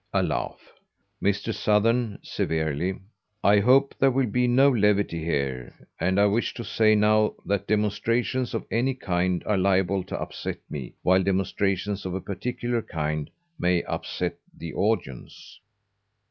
(A laugh.) Mr. Sothern (severely) "I HOPE there will be no levity here, and I wish to say now that demonstrations of any kind are liable to upset me, while demonstrations of a particular kind may upset the audience."